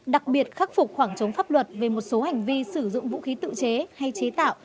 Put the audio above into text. đặc biệt khắc phục khoảng trống pháp luật về một số hành vi sử dụng vũ khí tự chế hay chế tạo